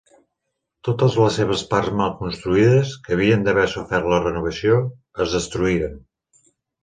Totes les seves parts mal construïdes, que havien d'haver sofert la renovació, es destruïren.